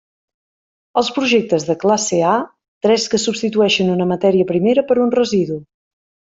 Els projectes de classe A tres que substitueixin una matèria primera per un residu.